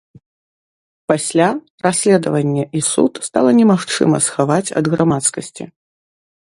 Пасля расследаванне і суд стала немагчыма схаваць ад грамадскасці.